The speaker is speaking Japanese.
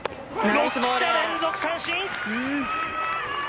６者連続三振。